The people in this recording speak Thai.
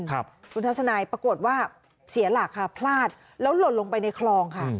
คุณทัศนายปรากฏว่าเสียหลักค่ะพลาดแล้วหล่นลงไปในคลองค่ะ